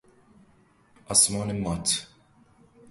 آسمان مات